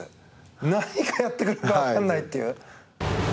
何やってくるか分からないっていう。